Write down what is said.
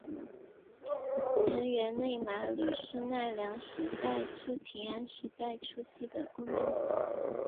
藤原内麻吕是奈良时代至平安时代初期的公卿。